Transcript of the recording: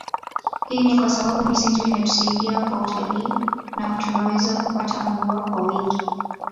Hii ni kwa sababu misitu inatusaidia kwa utalii na tunaweza kupata mvua kwa wingi